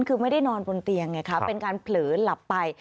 คือไม่ได้นอนบนเตียงไงคะเป็นการเผลอหลับไป